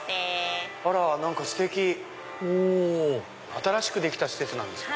新しくできた施設なんですか？